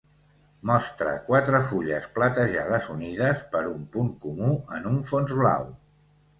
Mostra quatre fulles platejades unides per un punt comú en un fons blau.